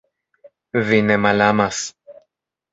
Vi ne malamas!